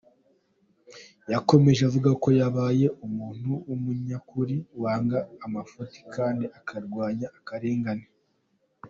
Yakomeje avuga ko yabaye ‘umuntu w’umunyakuri, wanga amafuti kandi akarwanya akarengane.